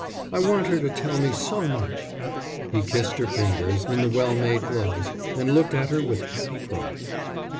"I want her to tell me so much." He kissed her fingers, in the well made gloves, and looked at her with happy pride.